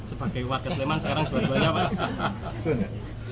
sebagai warga sleman sekarang dua duanya pak